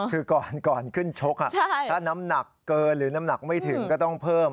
คือก่อนขึ้นชกถ้าน้ำหนักเกินหรือน้ำหนักไม่ถึงก็ต้องเพิ่ม